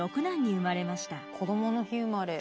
こどもの日生まれ。